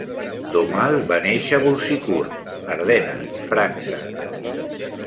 Daumal va néixer a Boulzicourt, Ardenes, França.